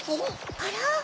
あら？